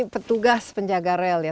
petugas penjaga rel ya